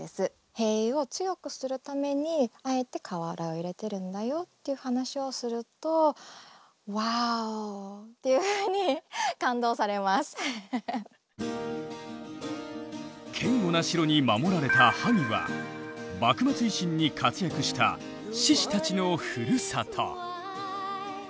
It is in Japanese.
塀を強くするためにあえて瓦を入れてるんだよっていう話をすると堅固な城に守られた萩は幕末維新に活躍した志士たちのふるさと。